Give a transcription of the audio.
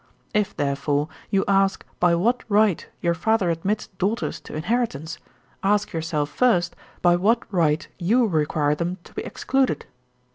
'If, therefore, you ask by what right your father admits daughters to inheritance, ask yourself, first, by what right you require them to be excluded?